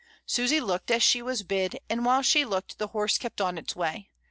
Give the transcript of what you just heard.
Susy looked as she was bid, and while she looked the horse kept on its way.